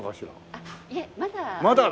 いえまだ。